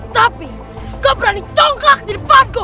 tapi kau berani tongkak di depanku